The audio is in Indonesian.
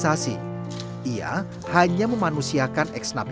saya denya satu satunya uang yang bernama